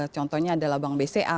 contohnya adalah bank bca